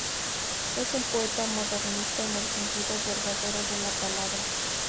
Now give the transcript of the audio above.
Es un poeta modernista en el sentido verdadero de la palabra.